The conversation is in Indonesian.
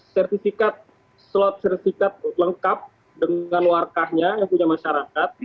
sertifikat slot sertifikat lengkap dengan warkahnya yang punya masyarakat